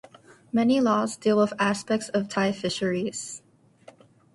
Many laws deal with aspects of Thai fisheries.